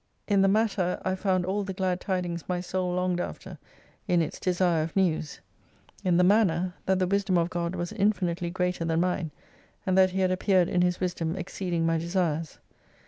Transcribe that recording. In the matter I found all the glad tidings my soul longed after in its desire of news ; in the manner, that the "Wisdom of God was infinitely greater than mine, and that He had appeared in His Wisdom exceeding my desires.